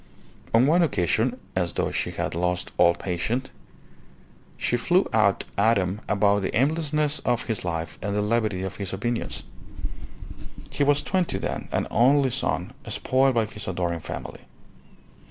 On one occasion, as though she had lost all patience, she flew out at him about the aimlessness of his life and the levity of his opinions. He was twenty then, an only son, spoiled by his adoring family.